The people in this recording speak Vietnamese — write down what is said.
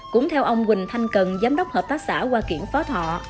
cũng theo ông quỳnh thanh cần giám đốc hợp tác xã hoa kiển phó thọ